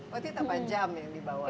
waktu itu apa jam yang dibawa